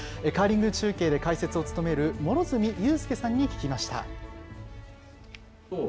カーリング中継で解説を務める両角友佑さんに聞きました。